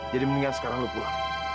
jadi mendingan sekarang lo pulang